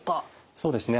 そうですね。